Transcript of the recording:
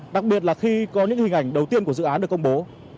đặc biệt là khi có những hình ảnh đầu tiên của dự án được công bố